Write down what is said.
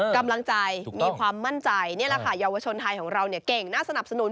กำลังใจมีความมั่นใจนี่แหละค่ะเยาวชนไทยของเราเนี่ยเก่งน่าสนับสนุน